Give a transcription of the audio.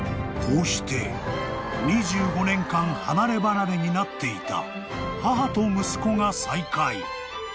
［こうして２５年間離れ離れになっていた母と息子が再会］